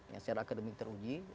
yang secara akademik teruji